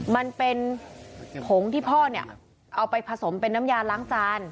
มันเป็นผงที่พ่อเนี่ยเอาไปผสมเป็นน้ำยาล้างจาน